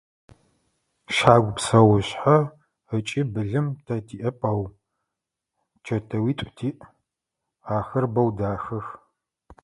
Щагу псэушъхьэ ыкӏи былым тэ тиӏэп, ау чэтыуитӏу тиӏ. Ахэр бэу дахэх.